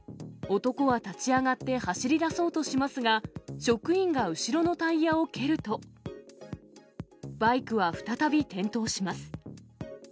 男は立ち上がって走りだそうとしますが、職員が後ろのタイヤを蹴ると、バイクは再び転倒します。